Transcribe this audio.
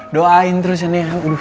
doain terus ya nek